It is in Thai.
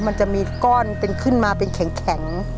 มันจะมีก้อนเป็นขึ้นมาเป็นแข็ง